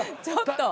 ちょっと。